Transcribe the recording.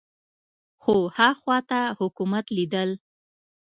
خو ها خوا ته حکومت لیدل